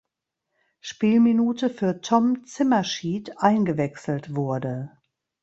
Spielminute für Tom Zimmerschied eingewechselt wurde.